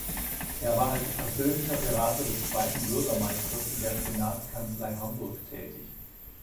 Er war als persönlicher Berater des Zweiten Bürgermeisters in der Senatskanzlei Hamburg tätig.